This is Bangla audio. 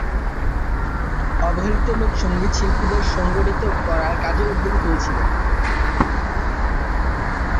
অবহেলিত লোক সংগীত শিল্পীদের সংগঠিত করার কাজে উদ্যোগী হয়েছিলেন।